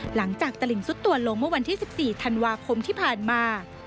หลังจากตลิ่งสุดตัวลงเมื่อวันที่๑๔ธันวาคมที่ผ่านมา